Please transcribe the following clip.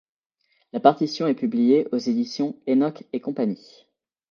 La partition est publiée aux éditions Enoch & Cie.